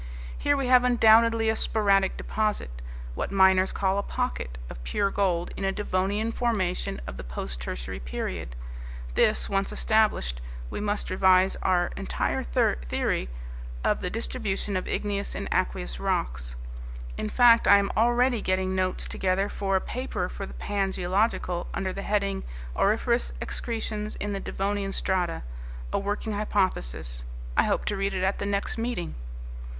Here we have undoubtedly a sporadic deposit what miners call a pocket of pure gold in a Devonian formation of the post tertiary period. This once established, we must revise our entire theory of the distribution of igneous and aqueous rocks. In fact, I am already getting notes together for a paper for the Pan Geological under the heading, Auriferous Excretions in the Devonian Strata: a Working Hypothesis. I hope to read it at the next meeting."